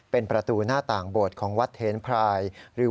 เป็นประตูหน้าต่างโบสถของวัดเทนพราย